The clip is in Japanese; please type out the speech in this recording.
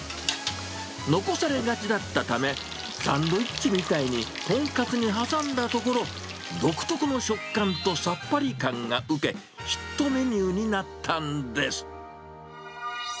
残されがちだったため、サンドイッチみたいにトンカツに挟んだところ、独特の食感とさっぱり感が受け、ヒットメニューになったんです。